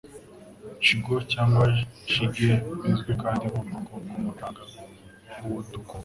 Chigoe, cyangwa chigger, bizwi kandi nk'ubwoko bw'umucanga w'udukoko